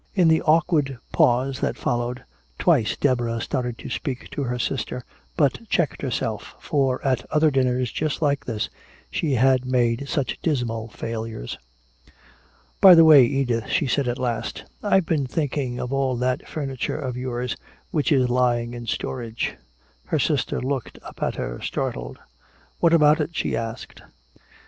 In the awkward pause that followed, twice Deborah started to speak to her sister, but checked herself, for at other dinners just like this she had made such dismal failures. "By the way, Edith," she said, at last, "I've been thinking of all that furniture of yours which is lying in storage." Her sister looked up at her, startled. "What about it?" she asked.